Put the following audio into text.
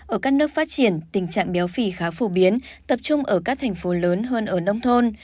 ở các nước phát triển tình trạng béo phì khá phổ biến tập trung ở các thành phố lớn hơn ở nông thôn